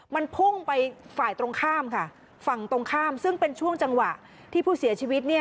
มันพุ่งไปฝ่ายตรงข้ามค่ะฝั่งตรงข้ามซึ่งเป็นช่วงจังหวะที่ผู้เสียชีวิตเนี่ย